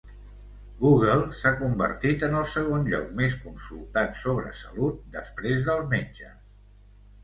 Google s'ha convertit en el segon lloc més consultat sobre salut, després dels metges.